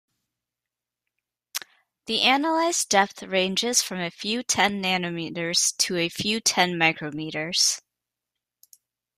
The analyzed depth ranges from a few ten nanometers to a few ten micrometers.